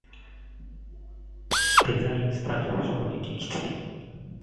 デザインスタジオ正直きつい